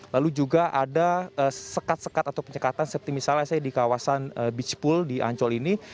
lalu juga ada sekat sekat atau penyekatan seperti misalnya saya di kawasan beach pool di ancol ini